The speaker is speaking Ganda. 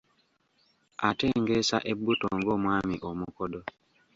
Atengeesa ebbuto ng’omwami omukodo.